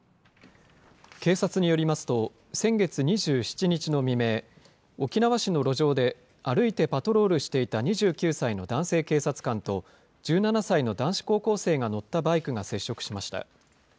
警察によりますと、先月２７日の未明、沖縄市の路上で、歩いてパトロールしていた２９歳の男性警察官と、１７歳の男子高校生が乗ったバイクが接触しました。